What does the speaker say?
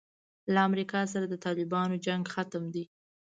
له امریکا سره د طالبانو جنګ ختم دی.